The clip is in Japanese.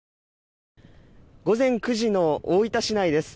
午前９時の大分市内です。